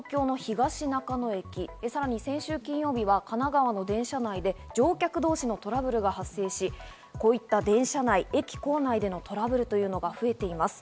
見てみますと、昨日は東京の東中野駅、さらに先週金曜日は神奈川の電車内で乗客同士のトラブルが発生し、こういった電車内、駅構内でのトラブルが増えています。